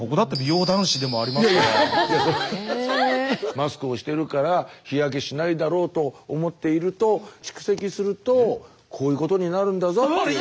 マスクをしてるから日焼けしないだろうと思っていると蓄積するとこういうことになるんだぞっていう。